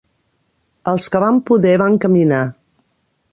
Els que van poder van caminar.